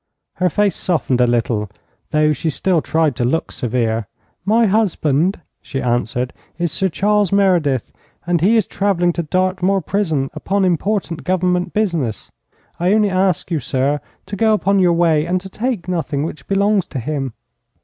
Her face softened a little, though she still tried to look severe. 'My husband,' she answered, 'is Sir Charles Meredith, and he is travelling to Dartmoor Prison, upon important Government business. I only ask you, sir, to go upon your way, and to take nothing which belongs to him.'